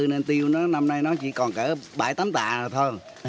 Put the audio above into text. nên tiêu năm nay nó chỉ còn kỡ bảy tám tạ thôi